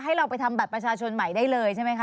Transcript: ให้เราไปทำบัตรประชาชนใหม่ได้เลยใช่ไหมคะ